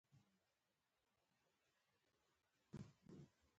په پښتو کې موټر ته ګاډی وايي.